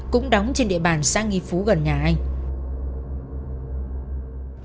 cũng đóng trên địa bàn sang nghì phú gần nhà anh